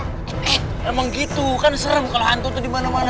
eh emang gitu kan serem kalau hantu itu dimana mana